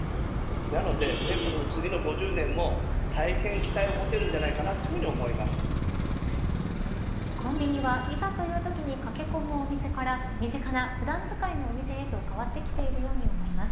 なので、次の５０年も大変期待を持てるんじゃないかと思コンビニは、いざというときに駆け込むお店から身近な普段使いのお店へと変わってきているように思います。